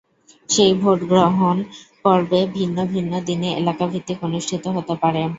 সেই ভোট গ্রহণ পর্ব ভিন্ন ভিন্ন দিনে এলাকাভিত্তিক অনুষ্ঠিত হতে পারে।